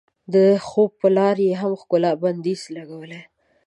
د خوب په لار یې هم ښکلا بندیز لګولی.